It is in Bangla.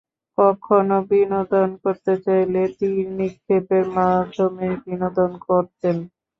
কখনো বিনোদন করতে চাইলে তীর নিক্ষেপের মাধ্যমে বিনোদন করতেন।